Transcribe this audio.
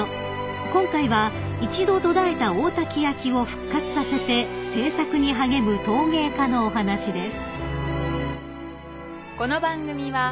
［今回は一度途絶えた大多喜焼を復活させて制作に励む陶芸家のお話です］